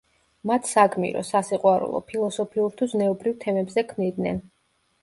მათ საგმირო, სასიყვარულო, ფილოსოფიურ თუ ზნეობრივ თემებზე ქმნიდნენ.